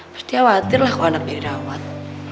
pasti khawatir lah kok anaknya dirawat